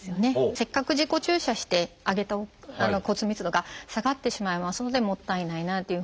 せっかく自己注射して上げた骨密度が下がってしまいますのでもったいないなというふうに思いますし。